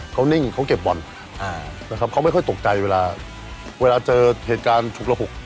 เขานิ่งเขาเก็บบ่อนอ่านะครับเขาไม่ค่อยตกใจเวลาเวลาเจอเหตุการณ์ฉุกระหุก